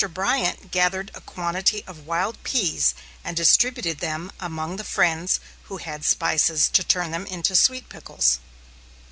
Bryant gathered a quantity of wild peas, and distributed them among the friends who had spices to turn them into sweet pickles.